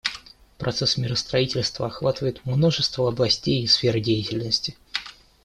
Процесс миростроительства охватывает множество областей и сфер деятельности.